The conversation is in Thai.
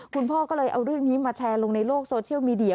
คุณพ่อก็เลยเอาเรื่องนี้มาแชร์ลงในโลกโซเชียลมีเดีย